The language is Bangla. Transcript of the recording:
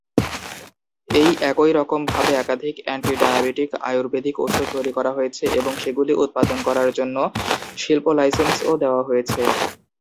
এই একই রকম ভাবে একাধিক অ্যান্টি-ডায়াবেটিক আয়ুর্বেদিক ওষুধ তৈরি করা হয়েছে এবং সেগুলি উৎপাদন করার জন্য শিল্প-লাইসেন্স-ও দেওয়া হয়েছে।